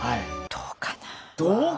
「どうかな」？